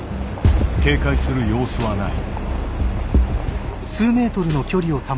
警戒する様子はない。